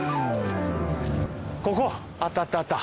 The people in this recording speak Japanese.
ここあったあったあった